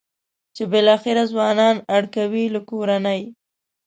چې بالاخره ځوانان اړ کوي له کورنۍ.